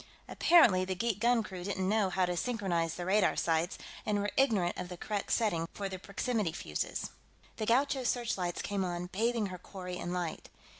Apparently the geek guncrew didn't know how to synchronize the radar sights, and were ignorant of the correct setting for the proximity fuses. The Gaucho's searchlights came on, bathing her quarry in light.